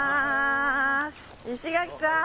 石垣さん！